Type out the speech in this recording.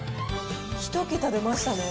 １桁出ましたね。